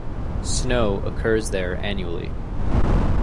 Snow occurs there annually.